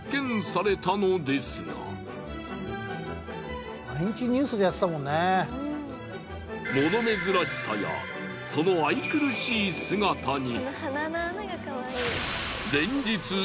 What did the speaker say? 新丸子の物珍しさやその愛くるしい姿に。